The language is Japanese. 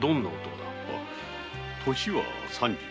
年は三十。